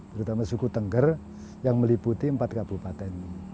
terutama suku tengger yang meliputi empat kabupaten